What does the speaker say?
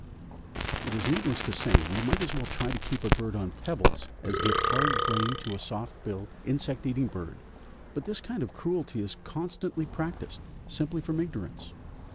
It is needless to say we might as well try to keep a bird on pebbles as give hard grain to a soft billed insect eating bird; but this kind of cruelty is constantly practised simply from ignorance.